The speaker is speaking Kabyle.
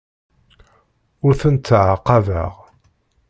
Ur tent-ttɛaqabeɣ.